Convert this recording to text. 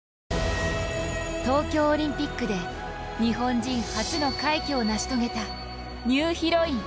ＪＴ東京オリンピックで日本人初の快挙を成し遂げたニューヒロイン。